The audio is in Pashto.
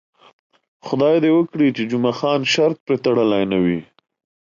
خدای دې وکړي چې جمعه خان شرط پرې تړلی نه وي.